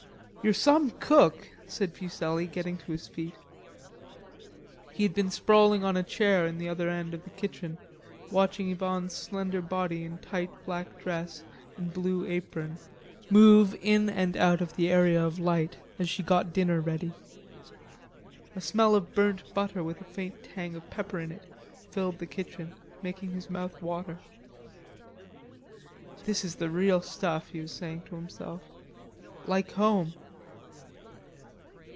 "You're some cook," said Fuselli getting to his feet. He had been sprawling on a chair in the other end of the kitchen, watching Yvonne's slender body in tight black dress and blue apron move in and out of the area of light as she got dinner ready. A smell of burnt butter with a faint tang of pepper in it, filled the kitchen, making his mouth water. "This is the real stuff," he was saying to himself, "like home."